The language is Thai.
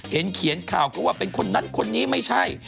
เขียนข่าวก็ว่าเป็นคนนั้นคนนี้ไม่ใช่